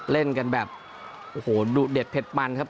เล่นกันแบบโอ้โหดุเด็ดเผ็ดมันครับ